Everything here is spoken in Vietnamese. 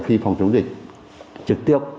khi phòng chống dịch trực tiếp